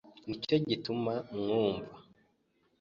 Nicyo gituma mwumva